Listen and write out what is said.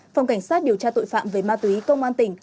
phòng cảnh sát điều tra tội phạm về ma túy công an tỉnh